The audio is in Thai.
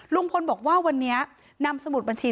ตำรวจบอกว่าภายในสัปดาห์เนี้ยจะรู้ผลของเครื่องจับเท็จนะคะ